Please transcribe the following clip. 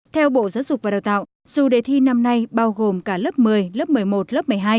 theo bộ giáo dục và đào tạo dù đề thi năm nay bao gồm cả lớp một mươi lớp một mươi một lớp một mươi hai